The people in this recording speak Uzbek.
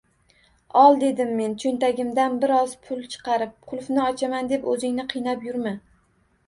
Ol, – dedim men choʻntagimdan bir oz pul chiqarib, qulfni ochaman deb oʻzingni qiynab yurma.